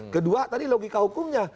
kedua tadi logika hukumnya